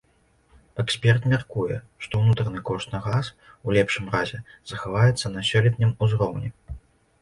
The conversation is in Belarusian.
Эксперт мяркуе, што ўнутраны кошт на газ, у лепшым разе, захаваецца на сёлетнім узроўні.